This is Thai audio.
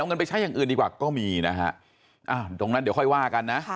เอาเงินไปใช้อย่างอื่นดีกว่าก็มีนะฮะตรงนั้นเดี๋ยวค่อยว่ากันนะ